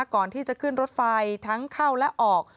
ก่อนที่จะขึ้นรถไฟทั้งเข้าและออก